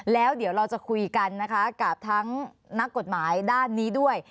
แล้วเดี๋ยวเราจะคุยกันนะคะกับทั้งนักกฎหมายด้านนี้ด้วย